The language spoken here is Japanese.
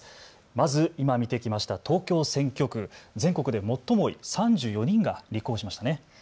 まず今、見てきた東京選挙区全国で最も多い３４人が立候補しましたね。